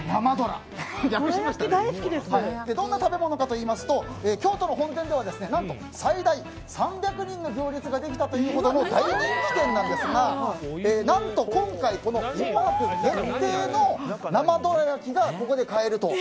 どんな食べ物かといいますと京都の本店では何と最大３００人の行列ができたというほどの大人気店なんですが何と、今回、芋博限定の生銅鑼焼がここで買えると。